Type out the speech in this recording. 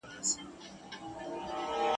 چي د حق پړی یې غاړي ته زیندۍ کړ ..